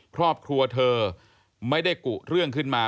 ครอบครัวเธอไม่ได้กุเรื่องขึ้นมา